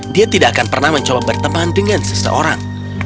dia tidak akan pernah mencoba berteman dengan seseorang